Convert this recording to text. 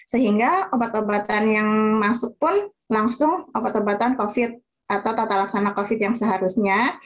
sehingga obat obatan yang masuk pun langsung obat obatan covid atau tata laksana covid yang seharusnya